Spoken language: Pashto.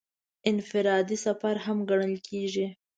انفرادي سفر هم ګڼل کېږي.